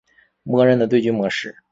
默认的对局模式。